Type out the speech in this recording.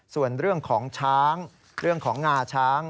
ส่วนเรื่องของช้างเรื่องของงาช้าง